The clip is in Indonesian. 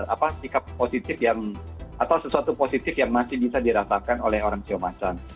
apa sikap positif yang atau sesuatu positif yang masih bisa dirasakan oleh orang siomacan